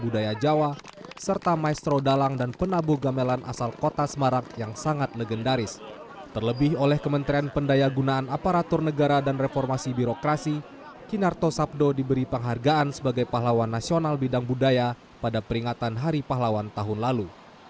di dalam formasi birokrasi kinarto sabdo diberi penghargaan sebagai pahlawan nasional bidang budaya pada peringatan hari pahlawan tahun lalu